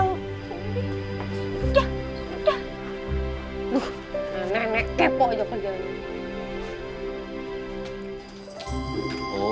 aduh nenek kepo aja kerjaannya